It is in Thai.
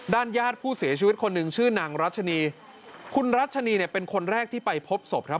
ญาติผู้เสียชีวิตคนหนึ่งชื่อนางรัชนีคุณรัชนีเนี่ยเป็นคนแรกที่ไปพบศพครับ